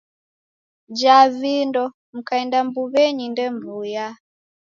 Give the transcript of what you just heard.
Jaa vindo mukaenda mbuw'enyi ndemw'uya.